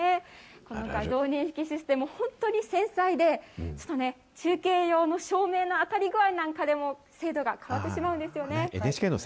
この画像認識システム、本当に繊細で、ちょっとね、中継用の照明の当たり具合なんかでも、精度が変わってしまうんですよね。